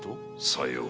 さよう。